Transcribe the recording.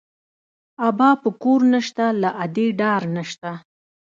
ابا په کور نه شته، له ادې ډار نه شته